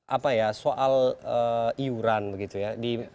apa ya soal iuran begitu ya